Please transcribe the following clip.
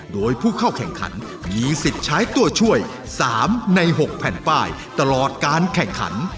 โดยผู้เข้าแข่งขันมีสิทธิ์ใช้ตัวช่วย๓ใน๖แผ่นป้ายตลอดการแข่งขัน